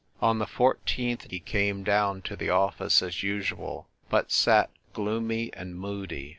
On the fourteenth he came down to the office as usual, but sat gloomy and moody.